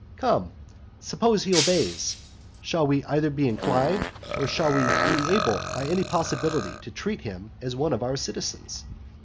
Come; suppose he obeys, shall we either be inclined, or shall we be able by any possibility, to treat him as one of our citizens?